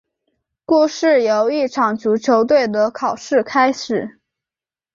故事由一场足球队的考试开始。